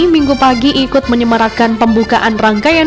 minggu pagi ikut menyemarakan pembukaan rangkaian